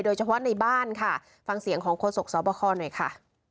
โดยเฉพาะในบ้านค่ะฟังเสียงของโฆษกสอบคอหน่อยค่ะ